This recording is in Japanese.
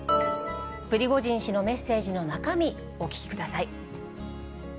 プリゴジン氏のメッセージの中身、お聞きください。